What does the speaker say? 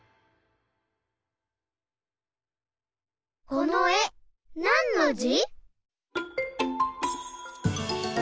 このえなんのじ？